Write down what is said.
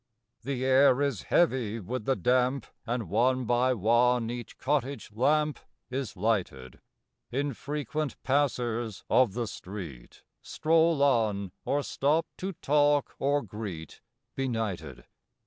The air is heavy with the damp; And, one by one, each cottage lamp Is lighted; Infrequent passers of the street Stroll on or stop to talk or greet, Benighted.